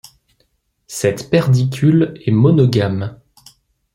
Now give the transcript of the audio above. Cette perdicule est monogame.